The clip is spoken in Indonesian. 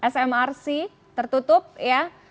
smrc tertutup ya